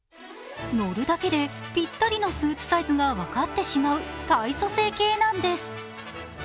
乗るだけでぴったりのスーツサイズが分かってしまう体組成計なんです。